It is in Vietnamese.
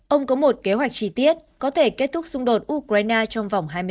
ông có một kế hoạch trí tiết có thể kết thúc xung đột ukraine trong vòng hai mươi bốn giờ